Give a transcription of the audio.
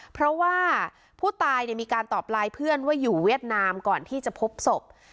เพราะว่าผู้ตายมีการตอบไลน์เพื่อนว่าอยู่เวียดนามก่อนที่จะพบศพ